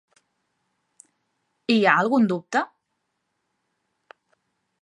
Hi ha algun dubte?